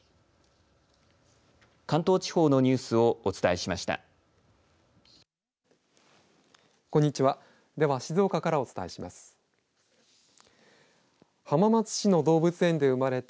関東地方のニュースをお伝えしました。